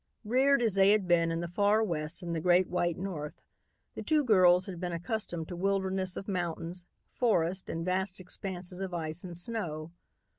Reared as they had been in the far West and the great white North, the two girls had been accustomed to wildernesses of mountains, forest and vast expanses of ice and snow.